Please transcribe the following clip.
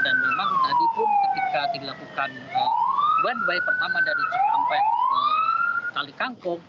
dan memang tadi pun ketika dilakukan one way pertama dari cukampek ke kali kangkung